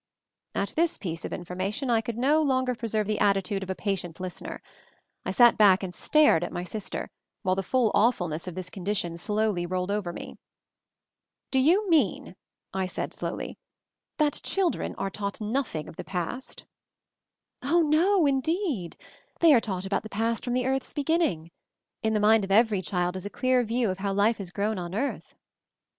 At this piece of information I could no 202 MOVING THE MOUNTAIN longer preserve the attitude of a patient lis tener. I sat back and stared at my sister, while the full awfulness of this condition slowly rolled over me. "Do you mean," I said slowly, "that chil dren are taught nothing of the past?" "Oh, no, indeed; they are taught about the past from the earth's beginning. In the mind of every child is a clear view of how Life has grown on earth."